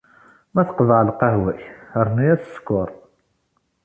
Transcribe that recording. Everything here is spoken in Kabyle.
Ma teqḍeɛ lqahwa-k, rnu-yas sskeṛ.